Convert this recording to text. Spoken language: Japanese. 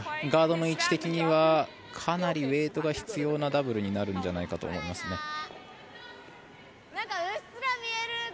ガードの位置的にはかなりウェイトが必要なダブルになるんじゃないかと思いますね。